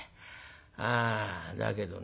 ああだけどね